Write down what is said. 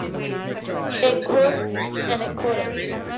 It could and it couldn't.